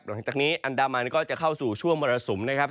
หลังจากนี้อันดามันก็จะเข้าสู่ช่วงมรสุมนะครับ